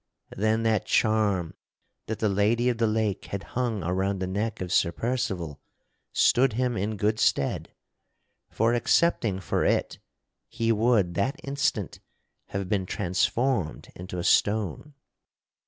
Then that charm that the Lady of the Lake had hung around the neck of Sir Percival stood him in good stead, for, excepting for it, he would that instant have been transformed into a stone.